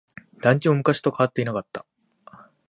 団地も昔と変わっていなかった。